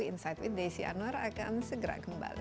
insight with desi anwar akan segera kembali